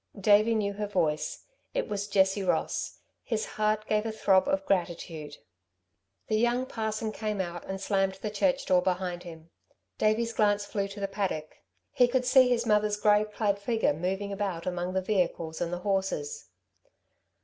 Davey knew her voice. It was Jessie Ross. His heart gave a throb of gratitude. The young parson came out and slammed the church door behind him. Davey's glance flew to the paddock. He could see his mother's grey clad figure moving about among the vehicles and the horses.